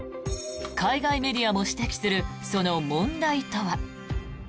海外メディアも指摘するその問題とは。